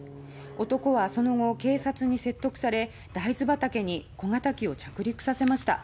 男はその後、警察に説得され大豆畑に小型機を不時着させました。